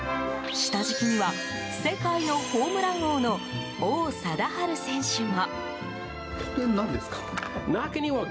下敷きには世界のホームラン王の王貞治選手も。